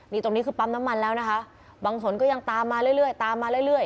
นี่ตรงนี้คือปั๊มน้ำมันแล้วนะคะบางส่วนก็ยังตามมาเรื่อยตามมาเรื่อย